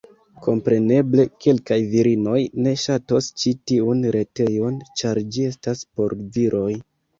Kompreneble, kelkaj virinoj ne ŝatos ĉi tiun retejon, ĉar ĝi estas por viroj.